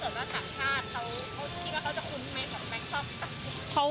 เขาคิดว่าเขาจะคุ้นไหมกับแบงค์ท็อค